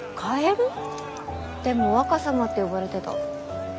でも「若様」って呼ばれてた。